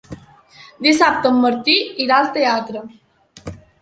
Dissabte en Martí irà al teatre.